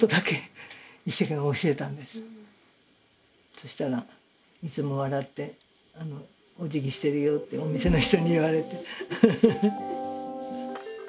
そしたらいつも笑っておじぎしてるよってお店の人に言われて。